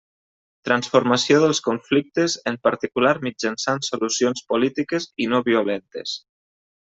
Transformació dels conflictes, en particular mitjançant solucions polítiques i no violentes.